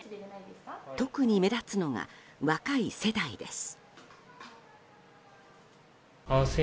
特に目立つのが若い世代です。